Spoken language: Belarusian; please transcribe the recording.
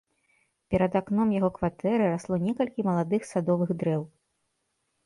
Перад акном яго кватэры расло некалькі маладых садовых дрэў.